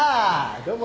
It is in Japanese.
どうも。